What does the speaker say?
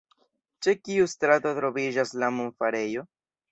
Ĉe kiu strato troviĝas la monfarejo?